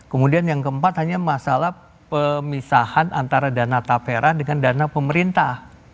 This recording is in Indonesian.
kemudian yang keempat hanya masalah pemisahan antara dana tapera dengan dana pemerintah